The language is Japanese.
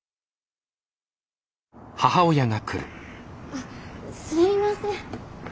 あっすいません。